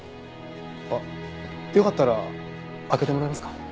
あっよかったら開けてもらえますか？